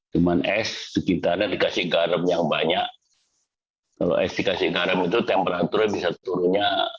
cuma es sekitarnya dikasih garam yang banyak kalau es dikasih garam itu temperaturnya bisa turunnya